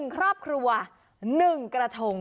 ๑ครอบครัว๑กระทง